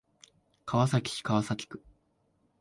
川崎市川崎区